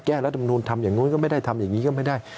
รัฐมนูลทำอย่างนู้นก็ไม่ได้ทำอย่างนี้ก็ไม่ได้